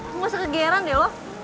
gak usah kegeran deh lo